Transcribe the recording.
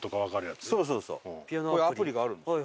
こういうアプリがあるんですよ